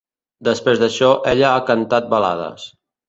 Després d'això, ella ha cantat balades.